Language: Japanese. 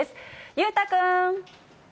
裕太君。